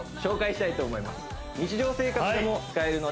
したいと思います